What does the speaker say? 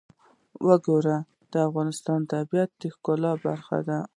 وګړي د افغانستان د طبیعت د ښکلا برخه ده.